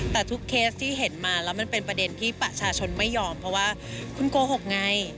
แต่ทุกเคสที่เห็นมาแล้วมันเป็นประเด็นที่ประชาชนไม่ยอมเพราะว่าคุณโกหกไง